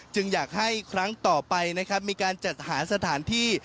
อยากให้ครั้งต่อไปนะครับมีการจัดหาสถานที่